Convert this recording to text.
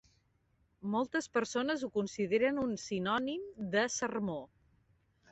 Moltes persones ho consideren un sinònim de sermó.